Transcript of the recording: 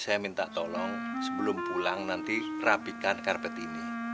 saya minta tolong sebelum pulang nanti rapikan karpet ini